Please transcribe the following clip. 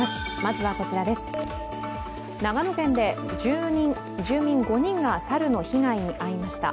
長野県で住民５人が猿の被害に遭いました。